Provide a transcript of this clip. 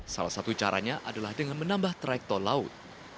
salah satu caranya adalah dengan menambah traik tol laut